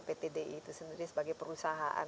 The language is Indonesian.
pt di itu sendiri sebagai perusahaan